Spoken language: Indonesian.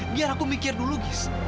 biar aku mikir dulu gis